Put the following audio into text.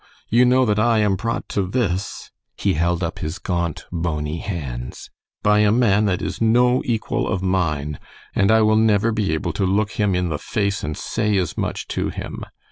You know that I am brought to this" he held up his gaunt, bony hands "by a man that is no equal of mine, and I will never be able to look him in the face and say as much to him.